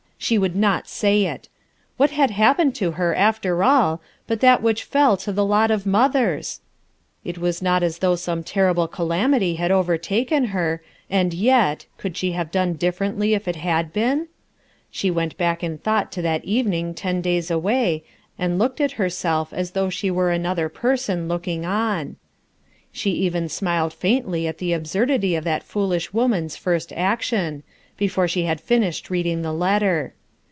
she would not say it ! What had happened to her, after all, but that whieh fell to the lot of mothers? It was not as though some terrible calamity had overtaken her, and yet — could she have done no SENTIMENT AND SACRIFICE 111 differently if it had been? She went back in thought to that evening ten days away and looked at herself as though she were another person looking on* She even smiled faintly at the absurdity of that foolish woman's first action, before she had finished reading the letter.